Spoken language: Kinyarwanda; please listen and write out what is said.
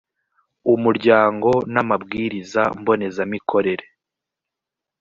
umuryango n amabwiriza mbonezamikorere